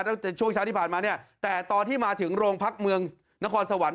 ตั้งแต่ช่วงเช้าที่ผ่านมาเนี่ยแต่ตอนที่มาถึงโรงพักเมืองนครสวรรค